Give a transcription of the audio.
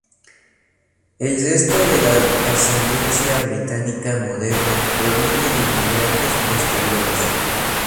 El resto de la ascendencia británica moderna proviene de inmigrantes posteriores.